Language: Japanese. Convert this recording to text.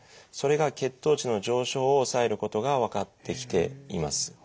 それが血糖値の上昇を抑えることが分かってきています。